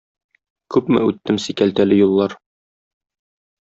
Күпме үттем сикәлтәле юллар